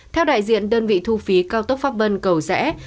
theo đại diện đơn vị thu phí cao tốc pháp vân cầu rẽ